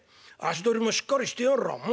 足取りもしっかりしてやがらうん。